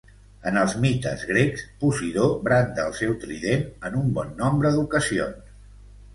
En els mites grecs, Posidó branda el seu trident en un bon nombre d'ocasions.